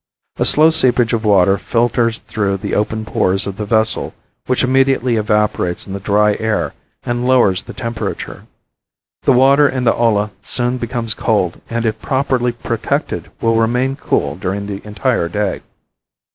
A slow seepage of water filters through the open pores of the vessel which immediately evaporates in the dry air and lowers the temperature. The water in the olla soon becomes cold and if properly protected will remain cool during the entire day.